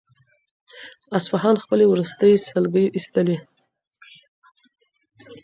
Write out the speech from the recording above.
اصفهان خپلې وروستۍ سلګۍ ایستلې.